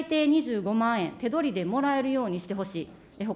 最低２５万円、手取りでもらえるようにしてほしい。